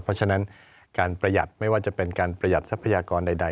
เพราะฉะนั้นการประหยัดไม่ว่าจะเป็นการประหยัดทรัพยากรใด